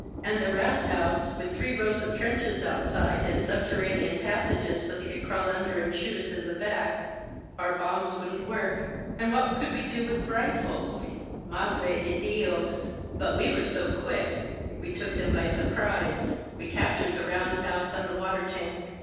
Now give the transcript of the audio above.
And the roundhouse, with three rows of trenches outside and subterranean passages so they could crawl under and shoot us in the back. ... Our bombs wouldn't work, and what could we do with rifles? Madre de DiosI But we were so quick — ^we took them by sur 814 THE ARTILLERY COMES UP prise. We captured the roundhouse and the water tank.